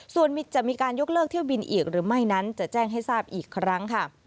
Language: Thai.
ส่วนจะมีการยกเลิกเที่ยวบินอีกหรือไม่นั้นจะแจ้งให้ทราบอีกครั้งค่ะ